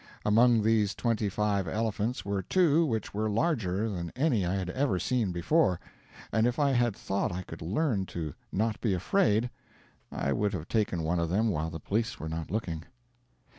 Among these twenty five elephants were two which were larger than any I had ever seen before, and if I had thought I could learn to not be afraid, I would have taken one of them while the police were not looking.